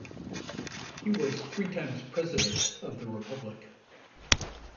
He was three times President of the Republic.